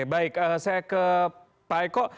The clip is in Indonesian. baik saya ke pak eko